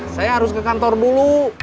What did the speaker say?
saya harus ke kantor dulu